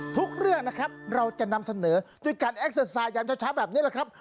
เรื่องนะครับเราจะนำเสนอด้วยการแอคเซอร์ไซด์ยามเช้าแบบนี้แหละครับ